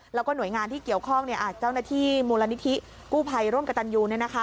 แล้วก็หน่วยงานที่เกี่ยวข้องเจ้าหน้าที่มูลนิธิกู้ภัยร่วมกับตันยู